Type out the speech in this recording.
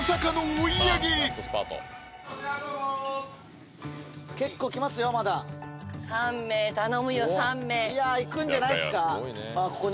こちらへどうぞ結構来ますよまだ３名頼むよ３名いやいくんじゃないっすか？